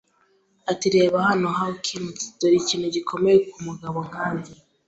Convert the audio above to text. Ati: “Reba hano, Hawkins, dore ikintu gikomeye ku mugabo nkanjye,